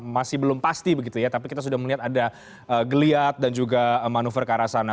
masih belum pasti begitu ya tapi kita sudah melihat ada geliat dan juga manuver ke arah sana